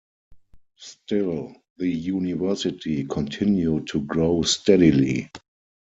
Still, the University continued to grow steadily.